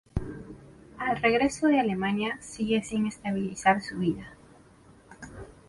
Al regreso de Alemania, sigue sin estabilizar su vida.